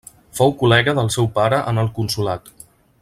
Fou col·lega del seu pare en el consolat.